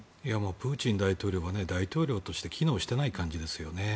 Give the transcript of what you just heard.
プーチン大統領は大統領として機能していない感じですよね。